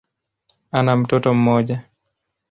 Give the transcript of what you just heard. Ana mtoto mmoja.